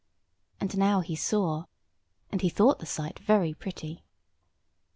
And now he saw, and he thought the sight very pretty.